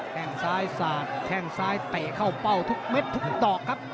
แค่งซ้ายสาดแข้งซ้ายเตะเข้าเป้าทุกเม็ดทุกดอกครับ